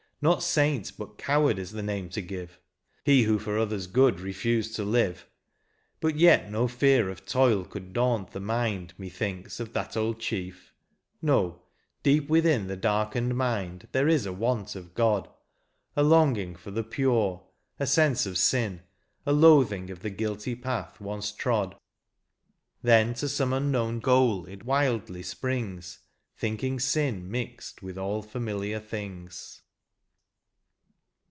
Not saint but coward, is the name to give, He who for others' good refused to live ; But yet no fear of toil could daunt the mind, Methinks, of that old chief— no, deep within The darkened mind there is a want of God, A longing for the pure, a sense of sin, A loathing of the guilty path once trod. Then to some unknown goal it wildly springs, Thinking sin mixed with all familiar things.